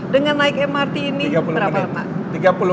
dengan naik mrt ini berapa pak